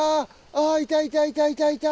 あいたいたいたいたいたいた！